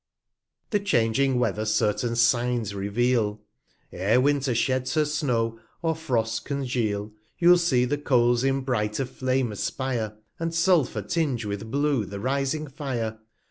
The changing Weather certain Signs reveal. 8 TRIVIA E'er Winter sheds her Snow, or Frosts congeal, You'll see the Coals in brighter Flame aspire, 135 And Sulphur tinge with blue the rising Fire